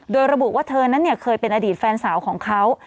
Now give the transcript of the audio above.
โดยระบุว่าเธอนั้นเคยเป็นอดีตแฟนสาวของเขา